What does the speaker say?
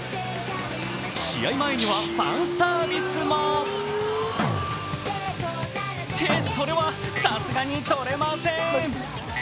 試合前にはファンサービスも。って、それはさすがに取れません